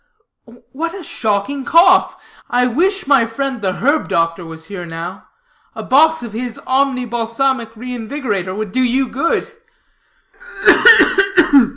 "Ugh, ugh, ugh!" "What a shocking cough. I wish, my friend, the herb doctor was here now; a box of his Omni Balsamic Reinvigorator would do you good."